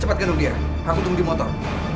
cepat gendong dia aku tunggu di motor